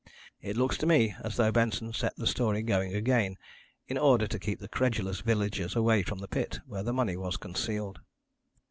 It looks to me as though Benson set the story going again in order to keep the credulous villagers away from the pit where the money was concealed.